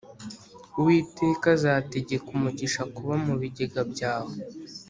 uwiteka azategeka umugisha kuba mu bigega byawe